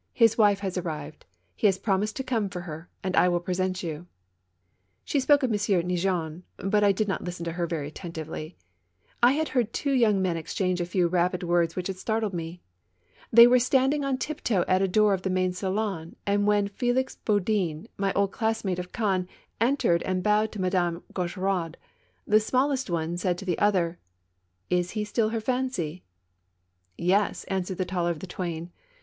His wife has arrived. He has promised to come for her, and I will present you." TWO CHARMERS. 27 She spoke of M. Neigeon, but I did not listen to her very attentively; I had heard two young men exchange a few rapid words which had startled me. They were standing on tiptoe at a door of the main salon, and when Felix Budin, my old classmate of Caen, entered and bowed to Madame Gaucheraud, the smallest one said to the other : "Is he still her fancy?' "Yes," answered the taller of the twain.